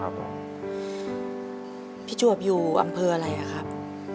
พี่จวบอยู่อำเภออะไรอะครับ